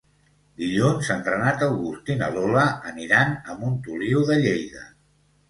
Dilluns en Renat August i na Lola aniran a Montoliu de Lleida.